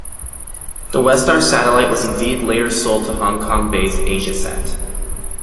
The Westar satellite was indeed later sold to Hong Kong-based AsiaSat.